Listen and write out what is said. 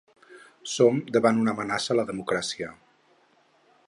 Som davant una amenaça a la democràcia.